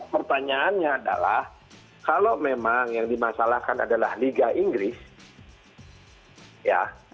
pertanyaannya adalah kalau memang yang dimasalahkan adalah liga inggris ya